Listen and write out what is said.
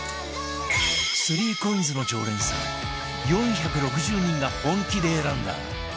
３ＣＯＩＮＳ の常連さん４６０人が本気で選んだ